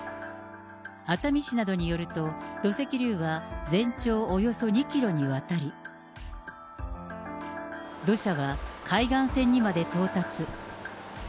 熱海市などによると、土石流は、全長およそ２キロにわたり、土砂は海岸線にまで到達。